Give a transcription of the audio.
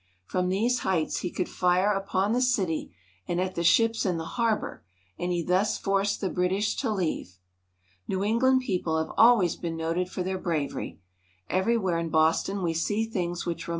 From these heights he could fire upon the city and at the ships in the harbor, and he thus forced the British to leave. New England people have always been noted for their bravery. Everywhere in Bos ton we see things which re i'" IH^I^ .^._,.c